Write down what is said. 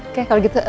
oke kalau gitu